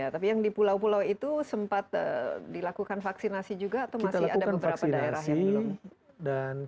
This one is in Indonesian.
tapi yang di pulau pulau itu sempat dilakukan vaksinasi juga atau masih ada beberapa daerah yang belum